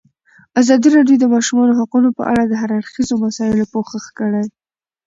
ازادي راډیو د د ماشومانو حقونه په اړه د هر اړخیزو مسایلو پوښښ کړی.